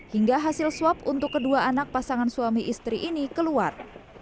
hingga hasil swab untuk kedua anak pasangan suami istri ini keluar